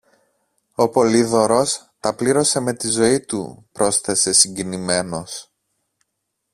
Ο Πολύδωρος τα πλήρωσε με τη ζωή του, πρόσθεσε συγκινημένος.